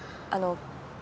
あの。